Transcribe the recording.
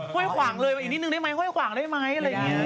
ห้วยขวางเลยมาอีกนิดนึงได้ไหมห้วยขวางได้ไหมอะไรอย่างนี้